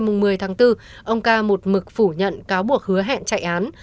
ngày một mươi tháng bốn ông ca một mực phủ nhận cáo buộc hứa hẹn chạy án